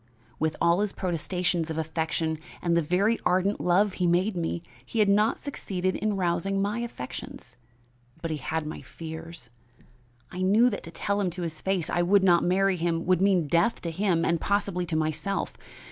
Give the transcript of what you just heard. With all his protestations of affection and the very ardent love he made me, he had not succeeded in rousing my affections, but he had my fears. I knew that to tell him to his face I would not marry him would mean death to him and possibly to myself.